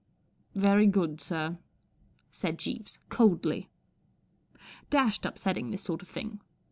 " Very good, sir," said Jeeves, coldly. Dashed upsetting, this sort of thing.